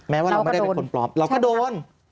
ว่าเราไม่ได้เป็นคนปลอมเราก็โดน